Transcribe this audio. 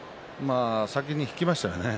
先に引きましたよね。